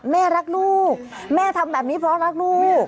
แม่รักลูกแม่ทำแบบนี้เพราะรักลูก